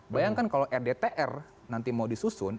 bayangkan kalau rdtr nanti mau disusun